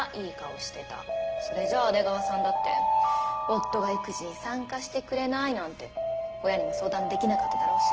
それじゃあ阿出川さんだって「夫が育児に参加してくれない」なんて親にも相談できなかっただろうし。